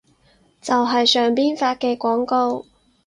就係上邊發嘅廣告